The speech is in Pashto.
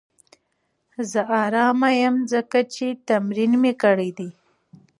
زه ارامه یم ځکه چې تمرین مې کړی دی.